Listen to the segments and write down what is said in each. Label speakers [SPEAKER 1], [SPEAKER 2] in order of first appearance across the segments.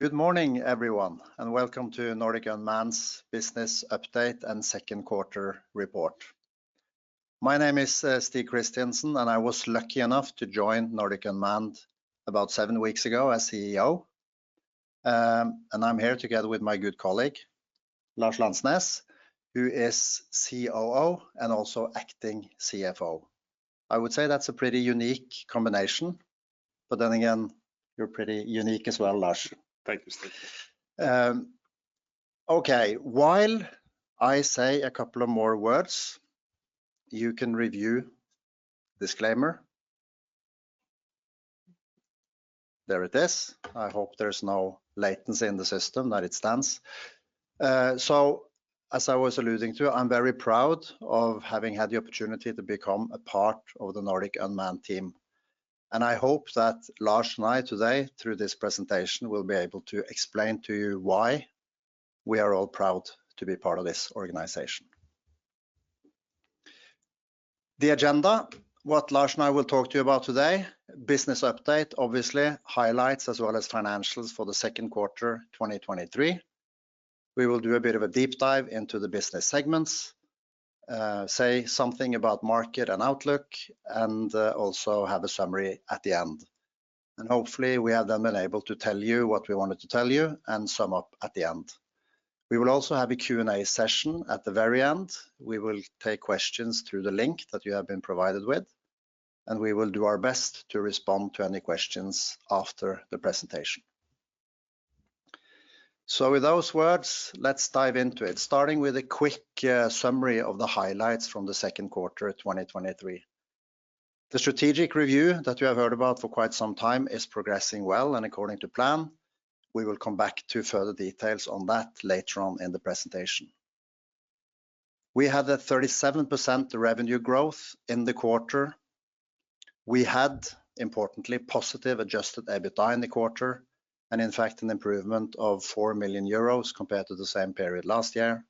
[SPEAKER 1] Good morning, everyone, and welcome to Nordic Unmanned's business update and second quarter report. My name is Stig Christiansen, and I was lucky enough to join Nordic Unmanned about seven weeks ago as CEO. And I'm here together with my good colleague, Lars Landsnes, who is COO and also acting CFO. I would say that's a pretty unique combination, but then again, you're pretty unique as well, Lars. Thank you, Stig. Okay. While I say a couple of more words, you can review disclaimer. There it is. I hope there's no latency in the system, that it stands. So as I was alluding to, I'm very proud of having had the opportunity to become a part of the Nordic Unmanned team, and I hope that Lars and I today, through this presentation, will be able to explain to you why we are all proud to be part of this organization. The agenda, what Lars and I will talk to you about today: business update, obviously, highlights, as well as financials for the second quarter, 2023. We will do a bit of a deep dive into the business segments, say something about market and outlook, and also have a summary at the end. And hopefully, we have then been able to tell you what we wanted to tell you and sum up at the end. We will also have a Q&A session at the very end. We will take questions through the link that you have been provided with, and we will do our best to respond to any questions after the presentation. So with those words, let's dive into it, starting with a quick summary of the highlights from the second quarter, 2023. The strategic review that you have heard about for quite some time is progressing well and according to plan. We will come back to further details on that later on in the presentation. We had a 37% revenue growth in the quarter. We had, importantly, positive adjusted EBITDA in the quarter, and in fact, an improvement of 4 million euros compared to the same period last year.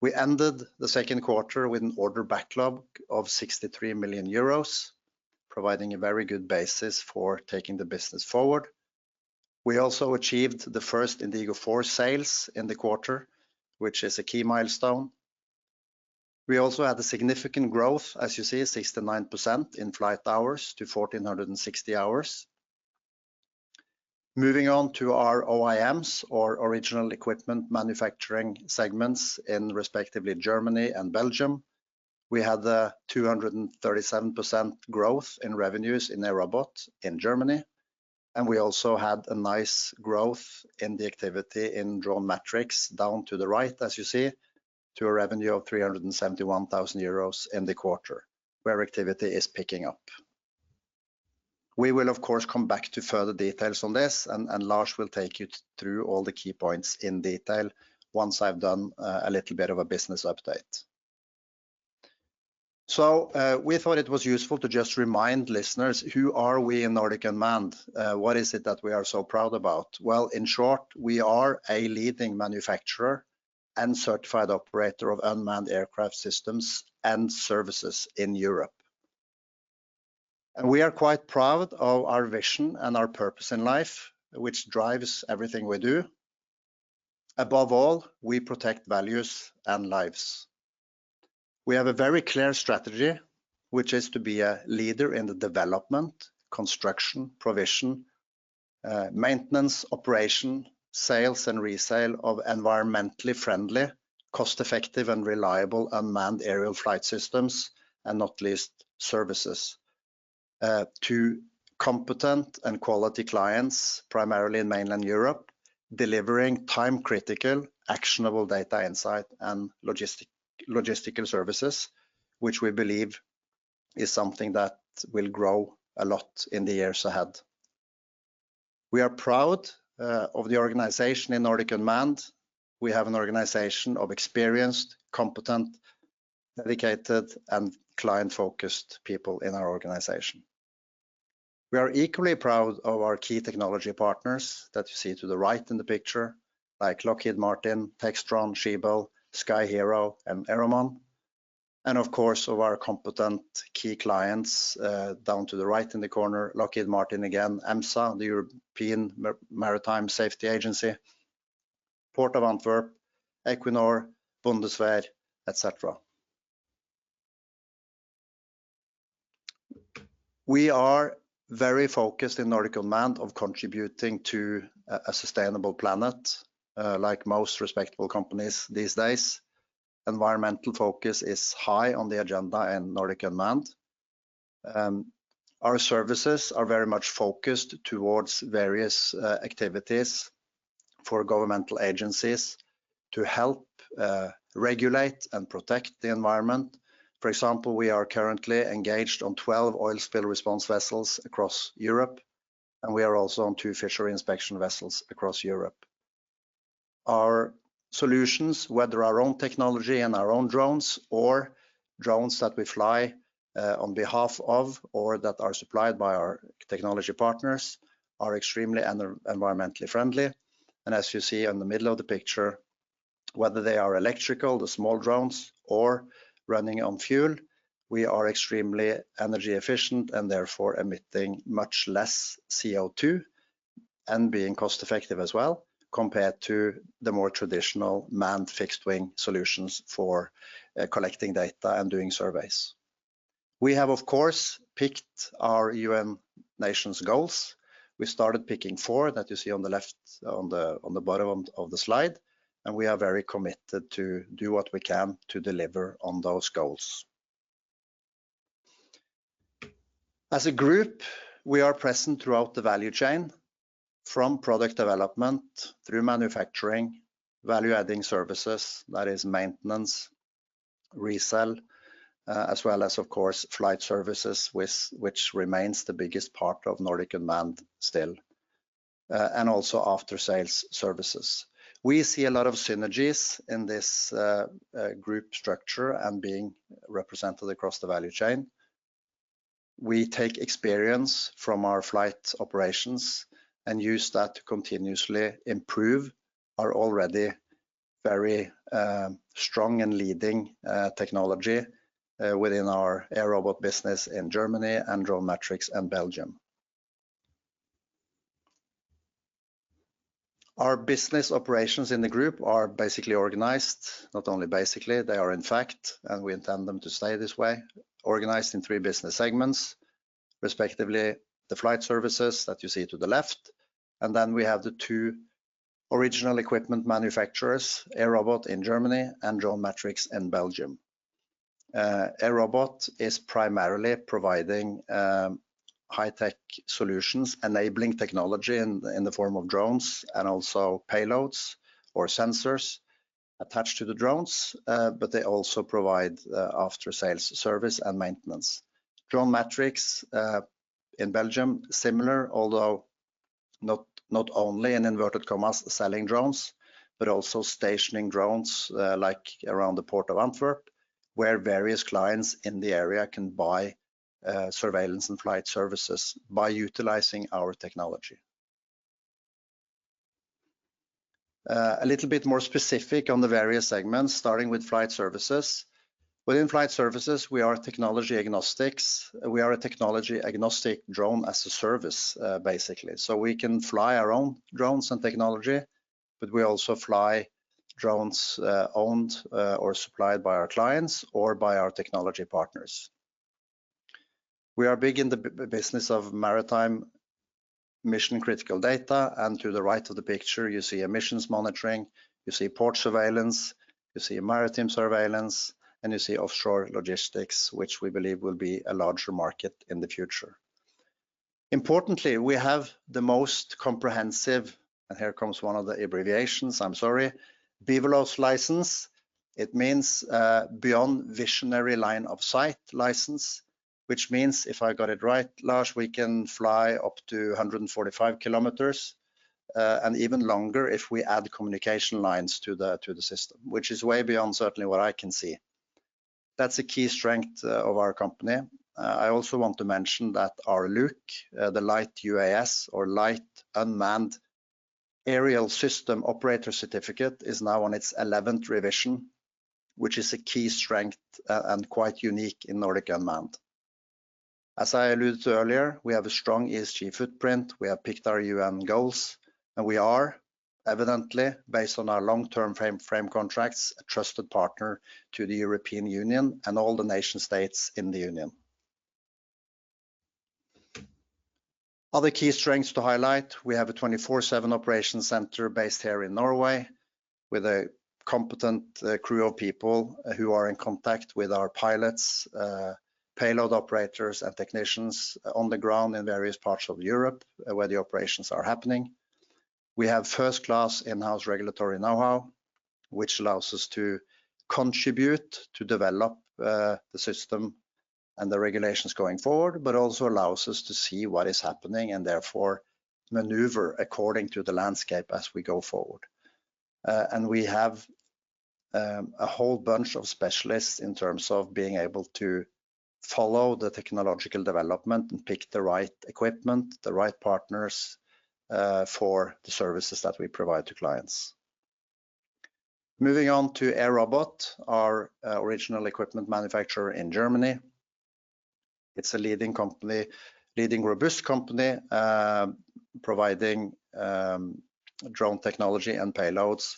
[SPEAKER 1] We ended the second quarter with an order backlog of 63 million euros, providing a very good basis for taking the business forward. We also achieved the first Indago 4 sales in the quarter, which is a key milestone. We also had a significant growth, as you see, 69% in flight hours to 1,460 hours. Moving on to our OEMs, or original equipment manufacturing segments in respectively Germany and Belgium, we had a 237% growth in revenues in AirRobot in Germany, and we also had a nice growth in the activity in DroneMatrix, down to the right, as you see, to a revenue of 371,000 euros in the quarter, where activity is picking up. We will, of course, come back to further details on this, and Lars will take you through all the key points in detail once I've done a little bit of a business update. We thought it was useful to just remind listeners, who are we in Nordic Unmanned? What is it that we are so proud about? Well, in short, we are a leading manufacturer and certified operator of unmanned aircraft systems and services in Europe. We are quite proud of our vision and our purpose in life, which drives everything we do. Above all, we protect values and lives. We have a very clear strategy, which is to be a leader in the development, construction, provision, maintenance, operation, sales, and resale of environmentally friendly, cost-effective, and reliable unmanned aerial flight systems, and not least, services, to competent and quality clients, primarily in mainland Europe, delivering time-critical, actionable data, insight, and logistical services, which we believe is something that will grow a lot in the years ahead. We are proud of the organization in Nordic Unmanned. We have an organization of experienced, competent, dedicated, and client-focused people in our organization. We are equally proud of our key technology partners that you see to the right in the picture, like Lockheed Martin, Textron, Schiebel, Sky-Hero, and Aeromon, and of course, of our competent key clients, down to the right in the corner, Lockheed Martin again, EMSA, the European Maritime Safety Agency, Port of Antwerp, Equinor, Bundeswehr, et cetera. We are very focused in Nordic Unmanned of contributing to a sustainable planet. Like most respectable companies these days, environmental focus is high on the agenda in Nordic Unmanned. Our services are very much focused towards various activities for governmental agencies to help regulate and protect the environment. For example, we are currently engaged on 12 oil spill response vessels across Europe, and we are also on two fishery inspection vessels across Europe. Our solutions, whether our own technology and our own drones or drones that we fly on behalf of or that are supplied by our technology partners, are extremely and environmentally friendly. As you see on the middle of the picture, whether they are electrical, the small drones, or running on fuel, we are extremely energy efficient and therefore emitting much less CO2 and being cost effective as well, compared to the more traditional manned fixed wing solutions for collecting data and doing surveys. We have, of course, picked our UN nations goals. We started picking four that you see on the left, on the bottom of the slide, and we are very committed to do what we can to deliver on those goals. As a group, we are present throughout the value chain, from product development through manufacturing, value adding services, that is maintenance, resell, as well as, of course, flight services, which remains the biggest part of Nordic Unmanned still, and also after sales services. We see a lot of synergies in this group structure and being represented across the value chain. We take experience from our flight operations and use that to continuously improve our already very strong and leading technology within our AirRobot business in Germany and DroneMatrix in Belgium. Our business operations in the group are basically organized, not only basically, they are in fact, and we intend them to stay this way, organized in three business segments, respectively, the flight services that you see to the left, and then we have the two original equipment manufacturers, AirRobot in Germany and DroneMatrix in Belgium. AirRobot is primarily providing high tech solutions, enabling technology in the form of drones and also payloads or sensors attached to the drones, but they also provide after sales service and maintenance. DroneMatrix in Belgium, similar, although not only in inverted commas, selling drones, but also stationing drones, like around the Port of Antwerp-Bruges, where various clients in the area can buy surveillance and flight services by utilizing our technology. A little bit more specific on the various segments, starting with flight services. Within flight services, we are technology agnostics. We are a technology agnostic drone as a service, basically. So we can fly our own drones and technology, but we also fly drones, owned, or supplied by our clients or by our technology partners. We are big in the business of maritime mission critical data, and to the right of the picture, you see emissions monitoring, you see port surveillance, you see maritime surveillance, and you see offshore logistics, which we believe will be a larger market in the future. Importantly, we have the most comprehensive, and here comes one of the abbreviations, I'm sorry, BVLOS license. It means Beyond Visual Line of Sight license, which means if I got it right, large, we can fly up to 145 kilometers, and even longer if we add communication lines to the system, which is way beyond certainly what I can see. That's a key strength of our company. I also want to mention that our LUC, the Light UAS or Light Unmanned Aerial System Operator Certificate, is now on its eleventh revision, which is a key strength and quite unique in Nordic Unmanned. As I alluded to earlier, we have a strong ESG footprint. We have picked our UN goals, and we are evidently, based on our long-term frame contracts, a trusted partner to the European Union and all the nation states in the union. Other key strengths to highlight, we have a 24/7 operation center based here in Norway, with a competent crew of people who are in contact with our pilots, payload operators, and technicians on the ground in various parts of Europe, where the operations are happening. We have first-class in-house regulatory know-how, which allows us to contribute, to develop the system and the regulations going forward, but also allows us to see what is happening and therefore maneuver according to the landscape as we go forward. And we have a whole bunch of specialists in terms of being able to follow the technological development and pick the right equipment, the right partners for the services that we provide to clients. Moving on to AirRobot, our original equipment manufacturer in Germany. It's a leading company, leading, robust company, providing, drone technology and payloads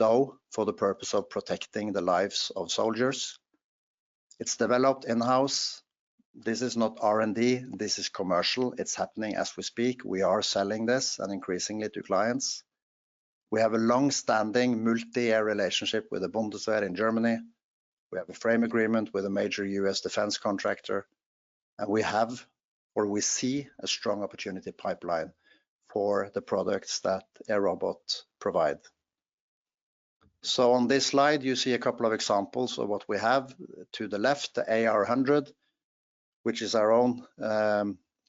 [SPEAKER 1] for, various clients, but, military utility, as one example, though, for the purpose of protecting the lives of soldiers. It's developed in-house. This is not R&D, this is commercial. It's happening as we speak. We are selling this and increasingly to clients. We have a long-standing multi-year relationship with the Bundeswehr in Germany. We have a frame agreement with a major U.S. defense contractor, and we have, or we see a strong opportunity pipeline for the products that AirRobot provide. So on this slide, you see a couple of examples of what we have. To the left, the AR100, which is our own,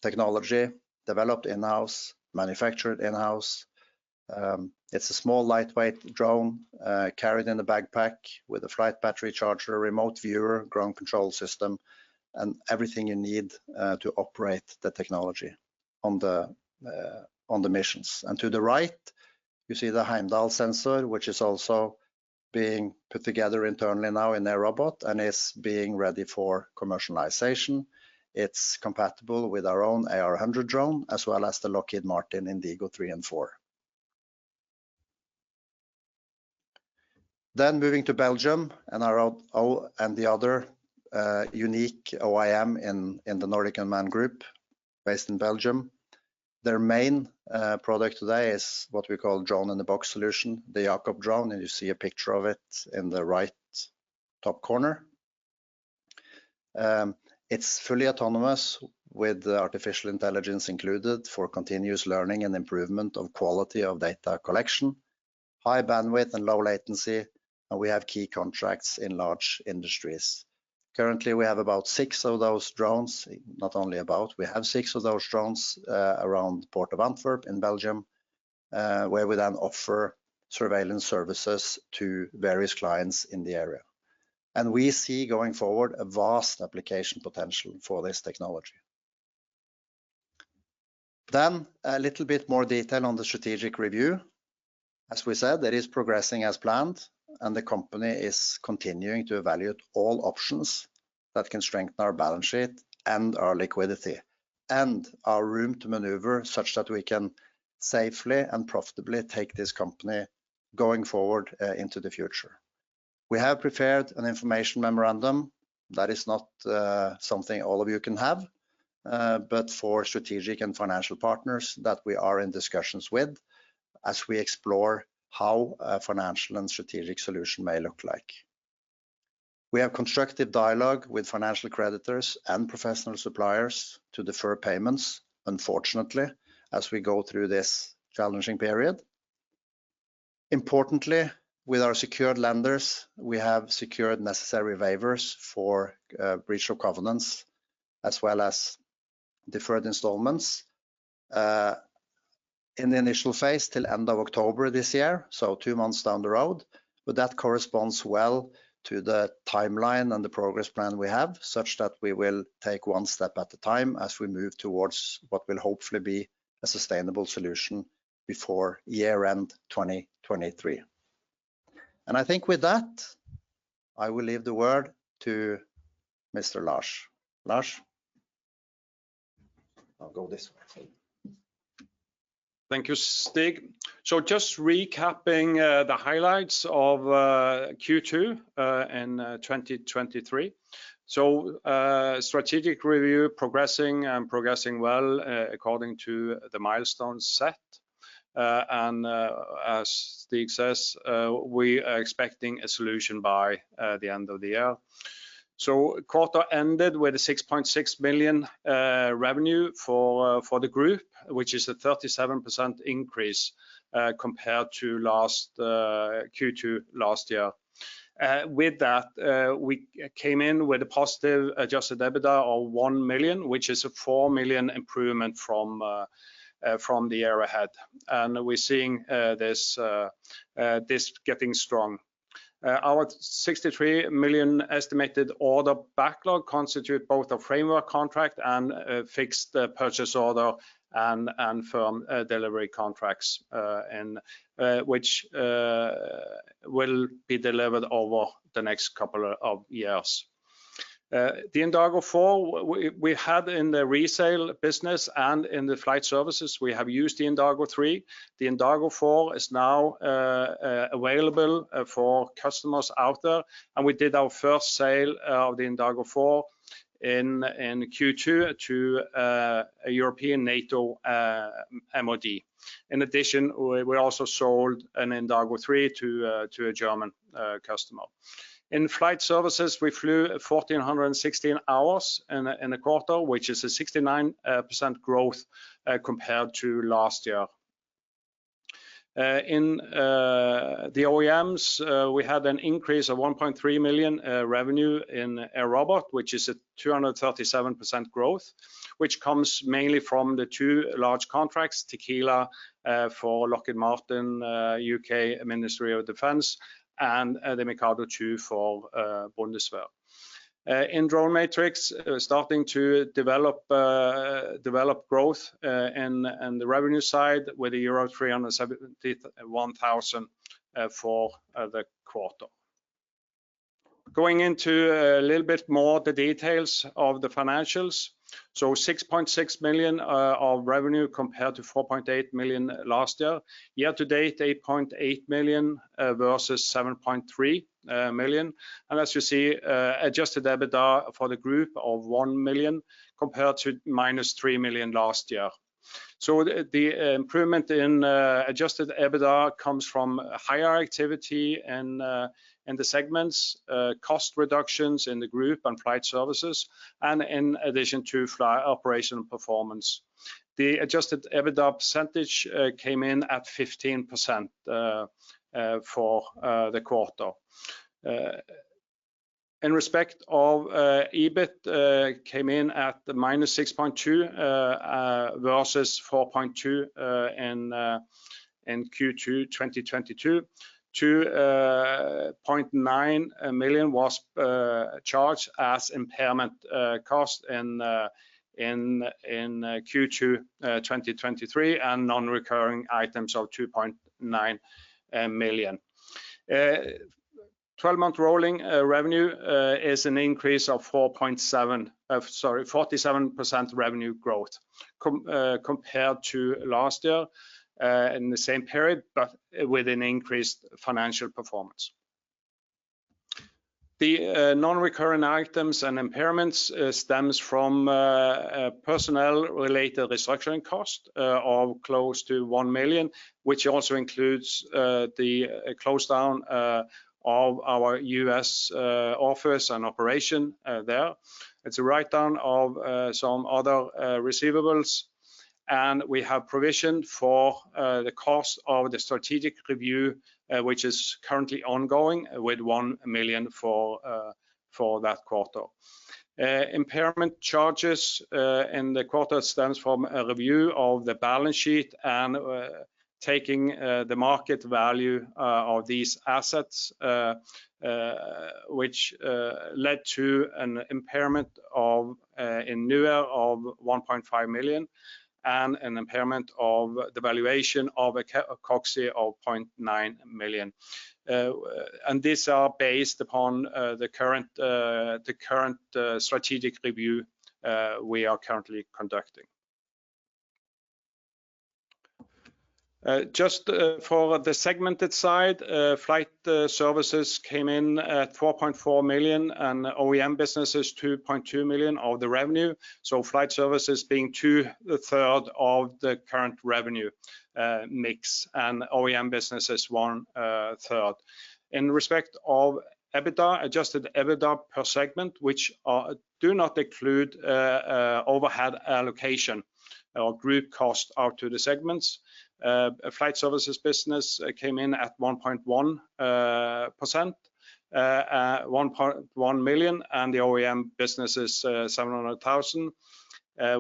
[SPEAKER 1] technology, developed in-house, manufactured in-house. It's a small, lightweight drone, carried in a backpack with a flight battery charger, a remote viewer, ground control system, and everything you need to operate the technology on the missions. And to the right, you see the Heimdall sensor, which is also being put together internally now in AirRobot and is being ready for commercialization. It's compatible with our own AR100 drone, as well as the Lockheed Martin Indago III and IV. Then moving to Belgium and our own and the other unique OEM in the Nordic Unmanned Group based in Belgium. Their main product today is what we call drone-in-a-Box solution, the YACOB drone, and you see a picture of it in the right top corner. It's fully autonomous, with artificial intelligence included for continuous learning and improvement of quality of data collection, high bandwidth and low latency, and we have key contracts in large industries. Currently, we have about six of those drones. Not only about, we have six of those drones, around the Port of Antwerp in Belgium, where we then offer surveillance services to various clients in the area. And we see going forward, a vast application potential for this technology. Then, a little bit more detail on the strategic review. As we said, it is progressing as planned, and the company is continuing to evaluate all options that can strengthen our balance sheet and our liquidity, and our room to maneuver, such that we can safely and profitably take this company going forward, into the future. We have prepared an information memorandum. That is not something all of you can have, but for strategic and financial partners that we are in discussions with, as we explore how a financial and strategic solution may look like. We have constructive dialogue with financial creditors and professional suppliers to defer payments, unfortunately, as we go through this challenging period. Importantly, with our secured lenders, we have secured necessary waivers for breach of covenants, as well as deferred installments, in the initial phase, till end of October this year, so two months down the road. But that corresponds well to the timeline and the progress plan we have, such that we will take one step at a time as we move towards what will hopefully be a sustainable solution before year-end, 2023. And I think with that, I will leave the word to Mr. Lars. Lars? I'll go this way.
[SPEAKER 2] Thank you, Stig. So just recapping the highlights of Q2 in 2023. So strategic review progressing and progressing well according to the milestones set. And as Stig says, we are expecting a solution by the end of the year. So quarter ended with a 6.6 million revenue for the group, which is a 37% increase compared to last Q2 last year. With that, we came in with a positive adjusted EBITDA of 1 million, which is a 4 million improvement from the year ahead. And we're seeing this getting strong. Our 63 million estimated order backlog constitute both a framework contract and fixed purchase order and firm delivery contracts and which will be delivered over the next couple of years. The Indago IV, we had in the resale business and in the flight services, we have used the Indago III. The Indago IV is now available for customers out there, and we did our first sale of the Indago IV in Q2 to a European NATO MOD. In addition, we also sold an Indago III to a German customer. In flight services, we flew 1,416 hours in a quarter, which is a 69% growth compared to last year. In the OEMs, we had an increase of 1.3 million revenue in AirRobot, which is a 237% growth, which comes mainly from the two large contracts, TIQUILA, for Lockheed Martin, U.K. Ministry of Defence, and the MIKADO II for Bundeswehr. In DroneMatrix, starting to develop growth in the revenue side with euro 371 thousand for the quarter. Going into a little bit more the details of the financials. So 6.6 million of revenue, compared to 4.8 million last year. Year to date, 8.8 million versus 7.3 million. And as you see, adjusted EBITDA for the group of 1 million, compared to -3 million last year. So the improvement in adjusted EBITDA comes from higher activity in the segments, cost reductions in the group and flight services, and in addition to fly operation performance. The adjusted EBITDA percentage came in at 15% for the quarter. In respect of EBIT, came in at minus 6.2 versus 4.2 in Q2 2022. 2.9 million was charged as impairment cost in Q2 2023, and non-recurring items of 2.9 million. 12 month rolling revenue is an increase of 47% revenue growth compared to last year in the same period, but with an increased financial performance. The non-recurring items and impairments stems from personnel-related restructuring cost of close to 1 million, which also includes the close down of our U.S. office and operation there. It's a write-down of some other receivables, and we have provisioned for the cost of the strategic review, which is currently ongoing, with 1 million for that quarter. Impairment charges in the quarter stems from a review of the balance sheet and taking the market value of these assets, which led to an impairment of NUAer of 1.5 million and an impairment of the valuation of a subsidiary of 0.9 million. And these are based upon the current strategic review we are currently conducting. Just for the segmented side, flight services came in at 4.4 million, and OEM business is 2.2 million of the revenue. So flight services being 2/3 of the current revenue mix, and OEM business is 1/3. In respect of EBITDA, adjusted EBITDA per segment, which do not include overhead allocation or group cost out to the segments. Flight services business came in at 1.1 million, and the OEM business is 700,000.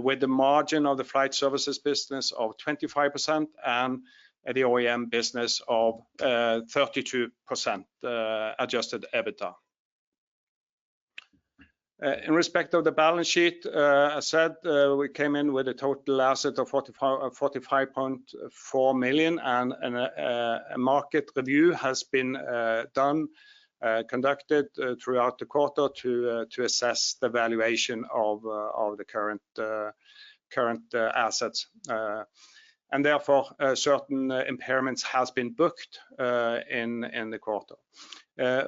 [SPEAKER 2] With the margin of the flight services business of 25% and the OEM business of 32%, adjusted EBITDA. In respect of the balance sheet, I said, we came in with a total asset of 45.4 million, and a market review has been conducted throughout the quarter to assess the valuation of the current assets. And therefore, certain impairments has been booked in the quarter.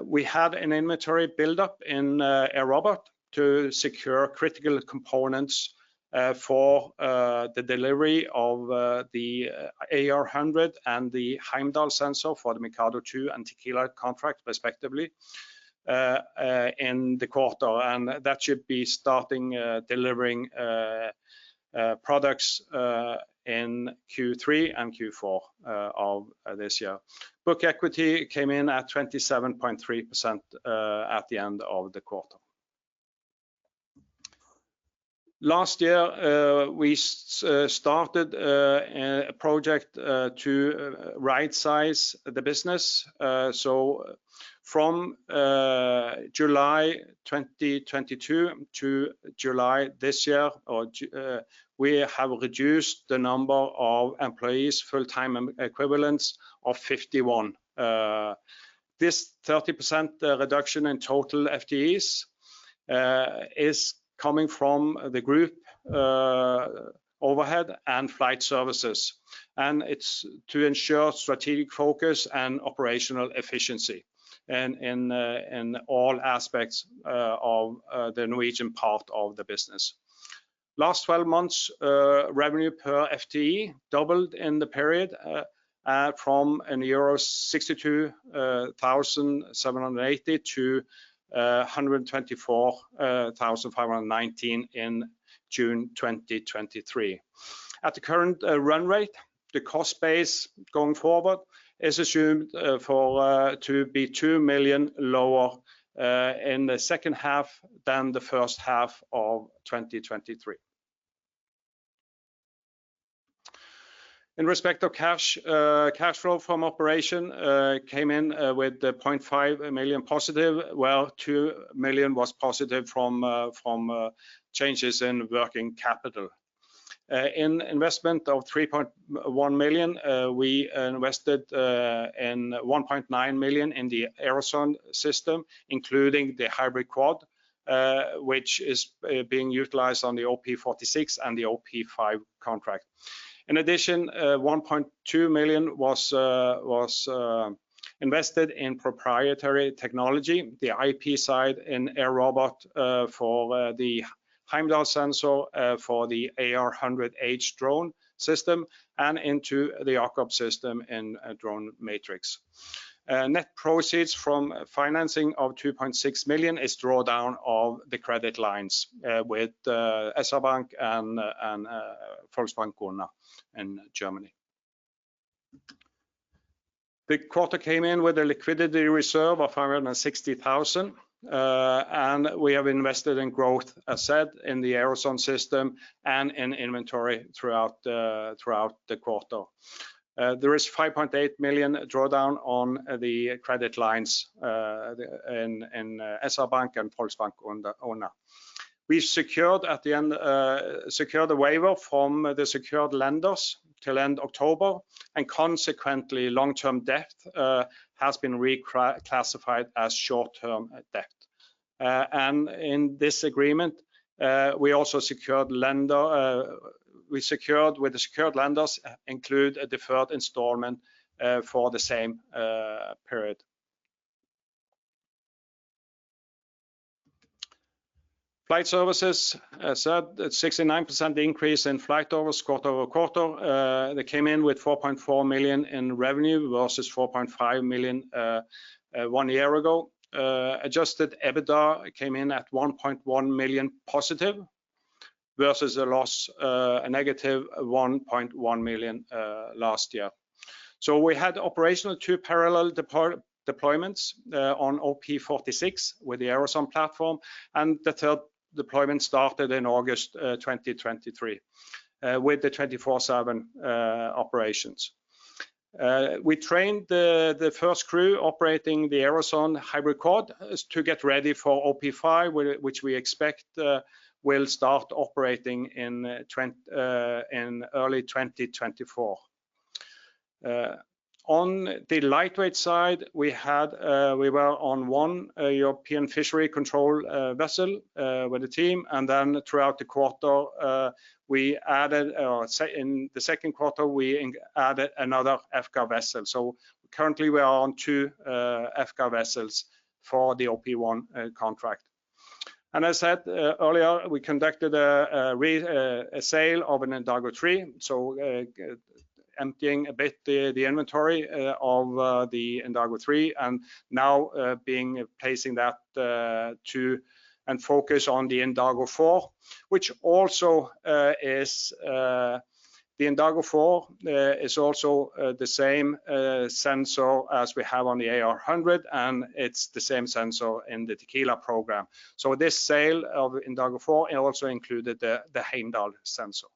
[SPEAKER 2] We had an inventory build-up in AirRobot to secure critical components for the delivery of the AR100 and the Heimdall sensor for the MIKADO II and TIQUILA contract respectively in the quarter. And that should be starting delivering products in Q3 and Q4 of this year. Book equity came in at 27.3% at the end of the quarter. Last year, we started a project to right-size the business. So from July 2022 to July this year, we have reduced the number of employees, full-time equivalents, of 51. This 30% reduction in total FTEs is coming from the group overhead and flight services, and it's to ensure strategic focus and operational efficiency in all aspects of the Norwegian part of the business. Last 12 months, revenue per FTE doubled in the period from 62,780-124,519 euro in June 2023. At the current run rate, the cost base going forward is assumed to be 2 million lower in the second half than the first half of 2023. In respect of cash, cash flow from operations came in with 0.5 million positive, well, 2 million was positive from changes in working capital. In investments of 3.1 million, we invested in 1.9 million in the Aerosonde system, including the Hybrid Quad, which is being utilized on the OP46 and the OP5 contract. In addition, 1.2 million was invested in proprietary technology, the IP side in AirRobot, for the Heimdall sensor for the AR100-H drone system and into the YACOB system in DroneMatrix. Net proceeds from financing of 2.6 million is drawdown of the credit lines with SR Bank and Volksbank Günne in Germany. The quarter came in with a liquidity reserve of 560,000, and we have invested in growth, as said, in the Aerosonde system and in inventory throughout the quarter. There is 5.8 million drawdown on the credit lines in SR Bank and Postbank and the owner. We've secured at the end secured a waiver from the secured lenders till end October, and consequently, long-term debt has been reclassified as short-term debt. And in this agreement, we also secured lender, we secured with the secured lenders, include a deferred installment for the same period. Flight services, as said, at 69% increase in flight hours, quarter-over-quarter. They came in with 4.4 million in revenue versus 4.5 million one year ago. Adjusted EBITDA came in at 1.1 million positive, versus a loss, -1.1 million last year. So we had operational two parallel deployments on OP46 with the Aerosonde platform, and the third deployment started in August 2023 with the 24/7 operations. We trained the first crew operating the Aerosonde Hybrid Quad to get ready for OP05, which we expect will start operating in early 2024. On the lightweight side, we had we were on one European Fisheries Control vessel with the team, and then throughout the quarter, in the second quarter, we added another EFCA vessel. So currently, we are on two EFCA vessels for the OP1 contract. And as said earlier, we conducted a sale of an Indago 3, so emptying a bit the inventory of the Indago 3, and now being placing that to and focus on the Indago 4, which also is... The Indago 4 is also the same sensor as we have on the AR100, and it's the same sensor in the TIQUILA program. So this sale of Indago 4, it also included the Heimdall sensor.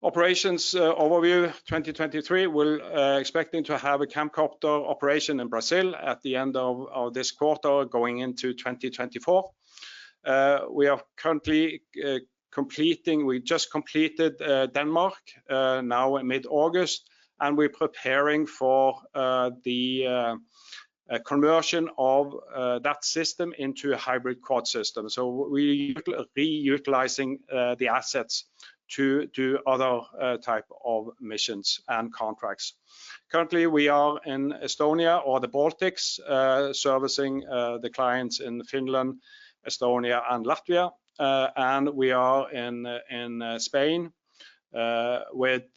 [SPEAKER 2] Operations overview 2023. We're expecting to have a Camcopter operation in Brazil at the end of this quarter, going into 2024. We are currently completing—we just completed Denmark now in mid-August, and we're preparing for the conversion of that system into a hybrid quad system. So we are reutilizing the assets to other type of missions and contracts. Currently, we are in Estonia or the Baltics, servicing the clients in Finland, Estonia, and Latvia. And we are in Spain on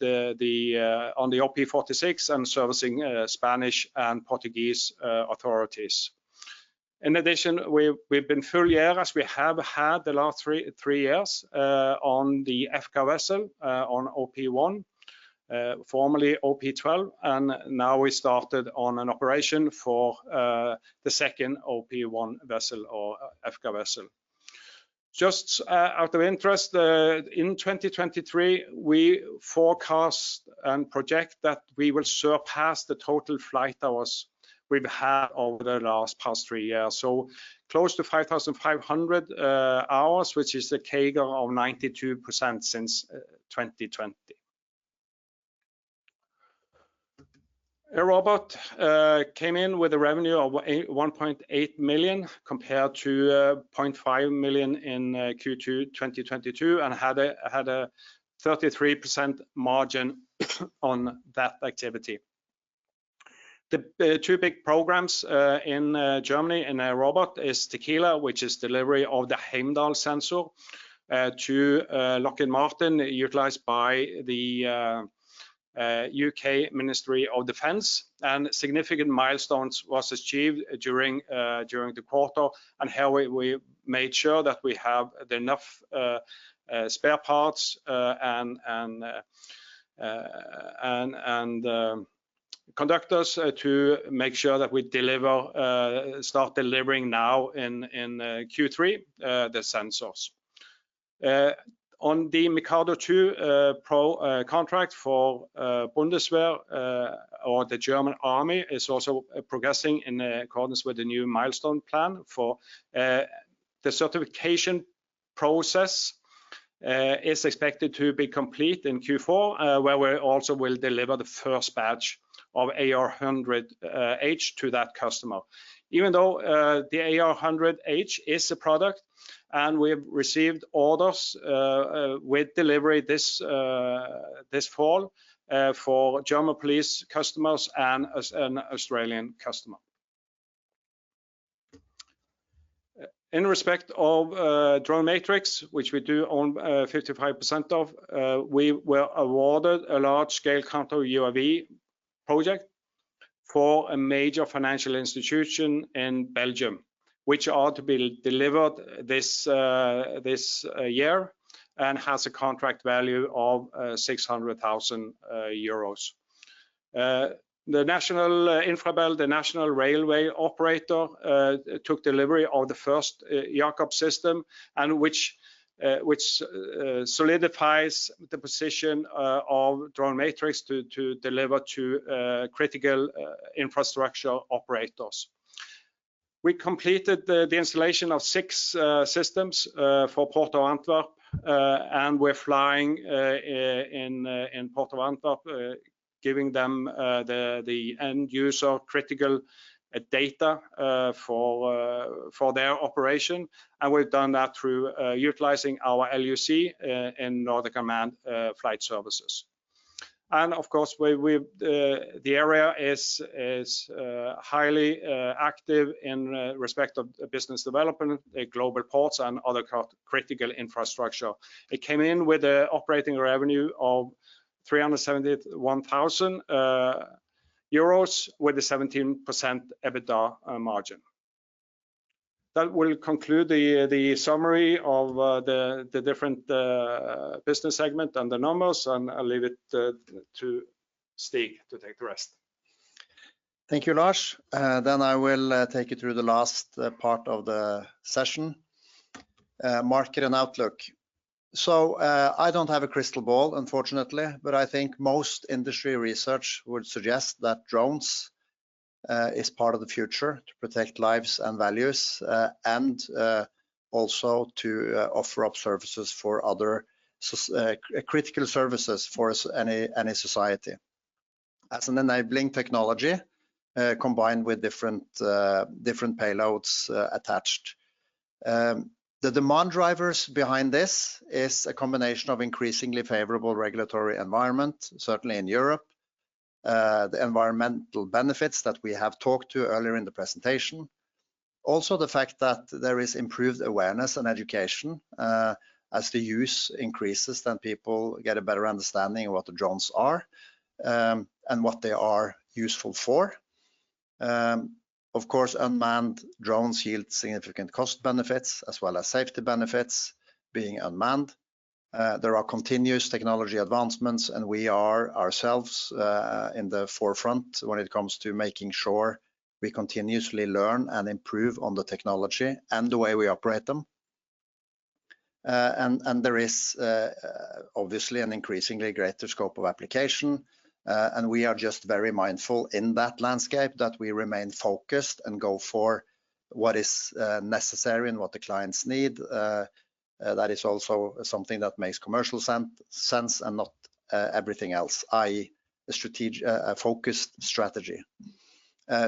[SPEAKER 2] the OP46 and servicing Spanish and Portuguese authorities. In addition, we've been fully air as we have had the last three years on the EFCA vessel on OP1, formerly OP12, and now we started on an operation for the second OP1 vessel or EFCA vessel. Just out of interest, in 2023, we forecast and project that we will surpass the total flight hours we've had over the last past three years. So close to 5,500 hours, which is a CAGR of 92% since 2020. AirRobot came in with a revenue of 1.8 million compared to 0.5 million in Q2 2022, and had a 33% margin on that activity. The two big programs in Germany, in AirRobot, is TIQUILA, which is delivery of the Heimdall sensor to Lockheed Martin, utilized by the U.K. Ministry of Defence. And significant milestones was achieved during the quarter, and how we made sure that we have enough spare parts and conductors to make sure that we deliver, start delivering now in Q3 the sensors. On the Mikado II program contract for Bundeswehr or the German Army is also progressing in accordance with the new milestone plan for the certification process is expected to be complete in Q4, where we also will deliver the first batch of AR100-H to that customer. Even though, the AR100-H is a product, and we've received orders, with delivery this fall, for German police customers and as an Australian customer. In respect of, DroneMatrix, which we do own, 55% of, we were awarded a large-scale counter-UAV project for a major financial institution in Belgium, which are to be delivered this year and has a contract value of 600,000 euros. The national, Infrabel, the national railway operator, took delivery of the first, YACOB system, and which, which, solidifies the position, of DroneMatrix to, to deliver to, critical, infrastructure operators. We completed the installation of six systems for Port of Antwerp, and we're flying in Port of Antwerp, giving them the end user critical data for their operation. And we've done that through utilizing our LUC and Nordic Unmanned flight services. And of course, the area is highly active in respect of business development at global ports and other co-critical infrastructure. It came in with an operating revenue of 371,000 euros, with a 17% EBITDA margin. That will conclude the summary of the different business segment and the numbers, and I'll leave it to Stig to take the rest.
[SPEAKER 1] Thank you, Lars. Then I will take you through the last part of the session, market and outlook. I don't have a crystal ball, unfortunately, but I think most industry research would suggest that drones is part of the future to protect lives and values, and also to offer up services for other such critical services for any society. As an enabling technology, combined with different payloads, attached. The demand drivers behind this is a combination of increasingly favorable regulatory environment, certainly in Europe. The environmental benefits that we have talked to earlier in the presentation. Also, the fact that there is improved awareness and education, as the use increases, then people get a better understanding of what the drones are, and what they are useful for. Of course, unmanned drones yield significant cost benefits as well as safety benefits being unmanned. There are continuous technology advancements, and we are ourselves in the forefront when it comes to making sure we continuously learn and improve on the technology and the way we operate them. And there is obviously an increasingly greater scope of application, and we are just very mindful in that landscape that we remain focused and go for what is necessary and what the clients need. That is also something that makes commercial sense and not everything else, i.e., a strategic, a focused strategy.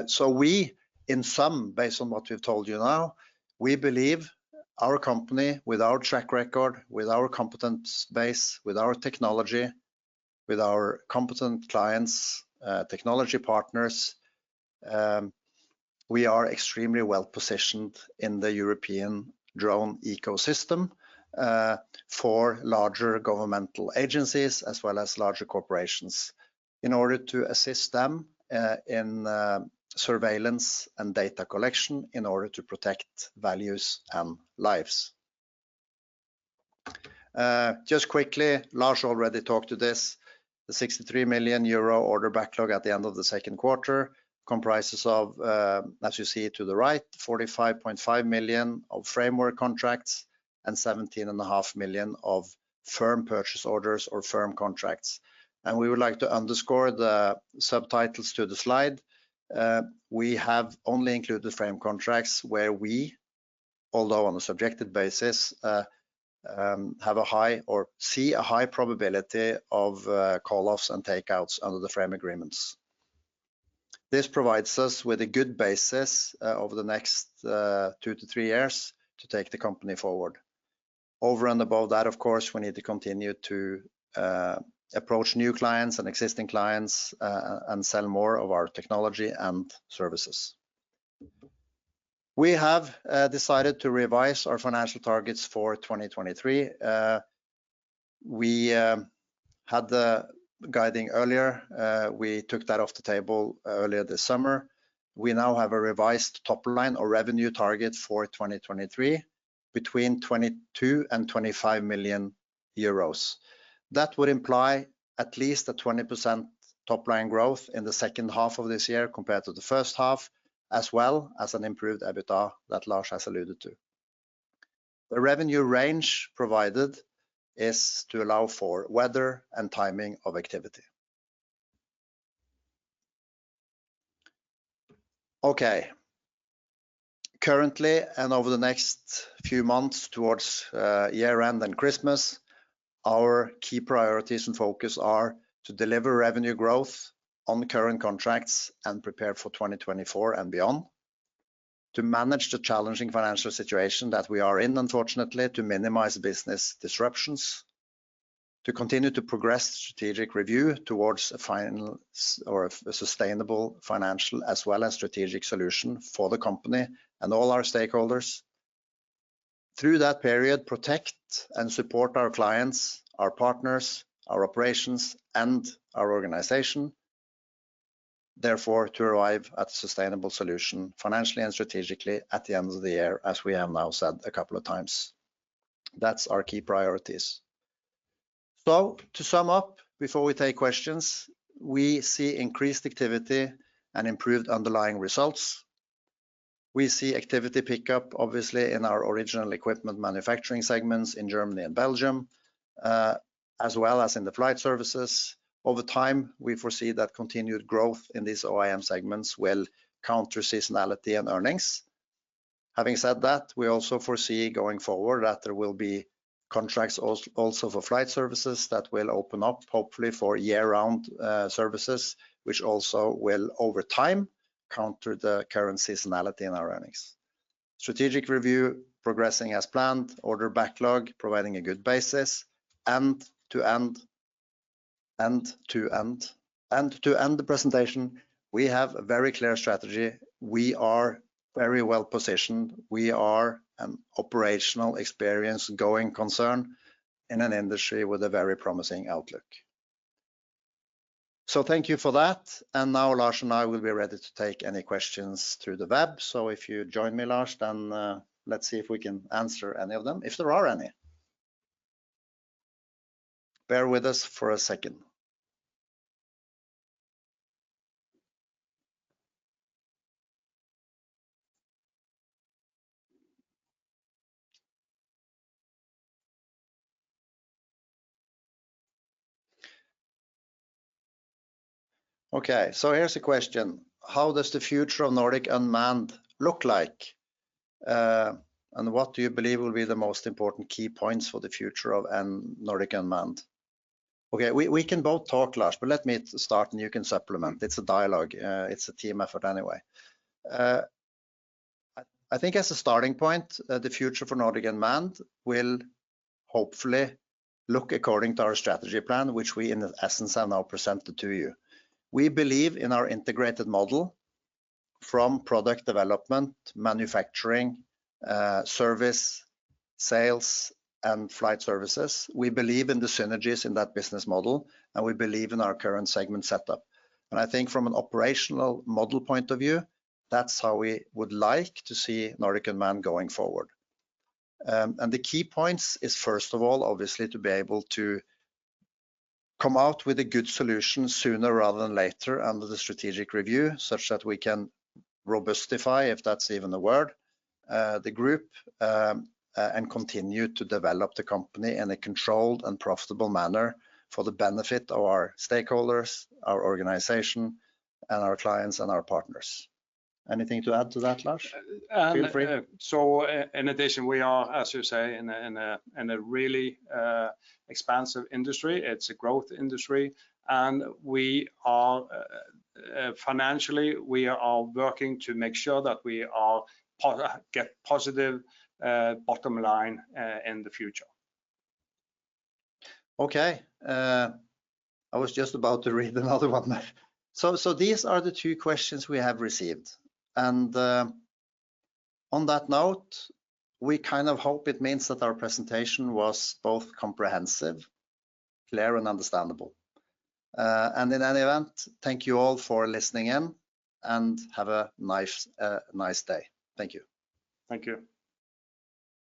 [SPEAKER 1] So we, in sum, based on what we've told you now, we believe our company, with our track record, with our competence base, with our technology, with our competent clients, technology partners, we are extremely well-positioned in the European drone ecosystem, for larger governmental agencies, as well as larger corporations, in order to assist them, in, surveillance and data collection in order to protect values and lives. Just quickly, Lars already talked to this. The 63 million euro order backlog at the end of the second quarter comprises of, as you see to the right, 45.5 million of framework contracts and 17.5 million of firm purchase orders or firm contracts. And we would like to underscore the subtitles to the slide. We have only included frame contracts where we, although on a subjective basis, have a high or see a high probability of call-offs and takeouts under the frame agreements. This provides us with a good basis over the next 2-3 years to take the company forward. Over and above that, of course, we need to continue to approach new clients and existing clients and sell more of our technology and services. We have decided to revise our financial targets for 2023. We had the guiding earlier. We took that off the table earlier this summer. We now have a revised top line or revenue target for 2023, between 22 million and 25 million euros. That would imply at least a 20% top line growth in the second half of this year compared to the first half, as well as an improved EBITDA that Lars has alluded to. The revenue range provided is to allow for weather and timing of activity. Okay. Currently, and over the next few months towards year-end and Christmas, our key priorities and focus are to deliver revenue growth on the current contracts and prepare for 2024 and beyond. To manage the challenging financial situation that we are in, unfortunately, to minimize business disruptions, to continue to progress strategic review towards a final or a sustainable financial as well as strategic solution for the company and all our stakeholders. Through that period, protect and support our clients, our partners, our operations, and our organization. Therefore, to arrive at a sustainable solution, financially and strategically at the end of the year, as we have now said a couple of times. That's our key priorities. So to sum up before we take questions, we see increased activity and improved underlying results. We see activity pick up, obviously, in our original equipment manufacturing segments in Germany and Belgium, as well as in the flight services. Over time, we foresee that continued growth in these OEM segments will counter seasonality and earnings. Having said that, we also foresee going forward that there will be contracts also for flight services that will open up, hopefully for year-round services, which also will, over time, counter the current seasonality in our earnings. Strategic review progressing as planned, order backlog providing a good basis, and to end the presentation, we have a very clear strategy. We are very well-positioned. We are an operational experience going concern in an industry with a very promising outlook. So thank you for that, and now Lars and I will be ready to take any questions through the web. So if you join me, Lars, then let's see if we can answer any of them, if there are any. Bear with us for a second. Okay, so here's a question: How does the future of Nordic Unmanned look like? And what do you believe will be the most important key points for the future of Nordic Unmanned? Okay, we can both talk, Lars, but let me start, and you can supplement. It's a dialogue. It's a team effort anyway. I think as a starting point, the future for Nordic Unmanned will hopefully look according to our strategy plan, which we, in essence, have now presented to you. We believe in our integrated model from product development, manufacturing, service, sales, and flight services. We believe in the synergies in that business model, and we believe in our current segment setup. And I think from an operational model point of view, that's how we would like to see Nordic Unmanned going forward. The key points is, first of all, obviously, to be able to come out with a good solution sooner rather than later under the strategic review, such that we can robustify, if that's even the word, the group, and continue to develop the company in a controlled and profitable manner for the benefit of our stakeholders, our organization, and our clients and our partners. Anything to add to that, Lars? Feel free.
[SPEAKER 2] So in addition, we are, as you say, in a really expansive industry. It's a growth industry, and financially, we are working to make sure that we get positive bottom line in the future.
[SPEAKER 1] Okay, I was just about to read another one, Lars. So, these are the two questions we have received. And, on that note, we kind of hope it means that our presentation was both comprehensive, clear, and understandable. And in any event, thank you all for listening in, and have a nice, nice day. Thank you.
[SPEAKER 2] Thank you.